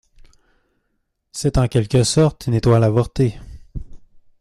C'est en quelque sorte une étoile avortée.